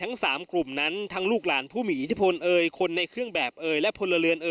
ทั้งสามกลุ่มนั้นทั้งลูกหลานผู้หมีอิทธิพลคนในเครื่องแบบและคนละเรือน